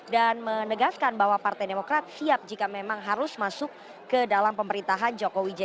dan menegaskan bahwa partai demokrat siap jika memang harus masuk ke dalam pemerintahan jokowi